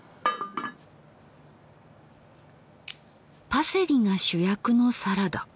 パセリが主役のサラダ。